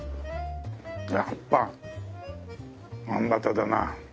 やっぱあんバターだな。